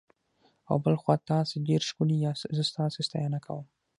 او بل خوا تاسي ډېر ښکلي یاست، زه ستاسي ستاینه کوم.